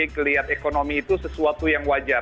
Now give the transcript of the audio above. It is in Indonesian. kelihatan ekonomi itu sesuatu yang wajar